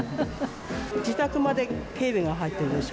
自宅まで警備が入ってるでしょ？